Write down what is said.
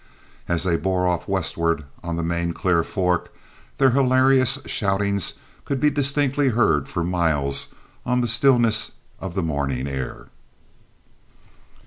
As they bore off westward on the main Clear Fork their hilarious shoutings could be distinctly heard for miles on the stillness of the morning air.